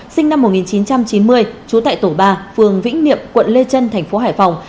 sinh năm một nghìn chín trăm chín mươi trú tại tổ ba phường vĩnh niệm quận lê trân thành phố hải phòng